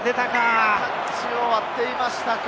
タッチを割っていましたか？